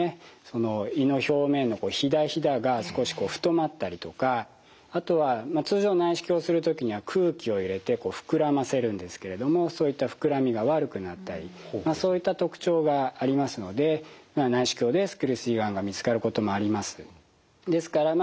胃の表面のひだひだが少しこう太まったりとかあとは通常内視鏡をする時には空気を入れて膨らませるんですけれどもそういった膨らみが悪くなったりそういった特徴がありますので内視鏡でスキルス胃がんが見つかることもあります。